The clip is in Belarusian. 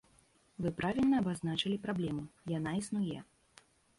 Вы правільна абазначылі праблему, яна існуе.